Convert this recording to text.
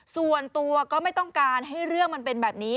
ส่วนตัวก็ไม่ต้องการให้เรื่องมันเป็นแบบนี้